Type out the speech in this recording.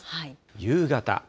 夕方。